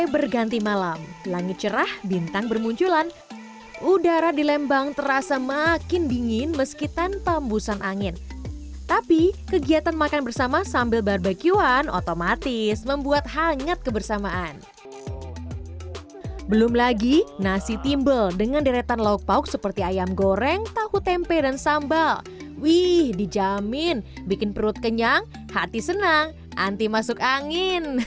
terima kasih sudah menonton video ini sampai selesai sampai jumpa di video selanjutnya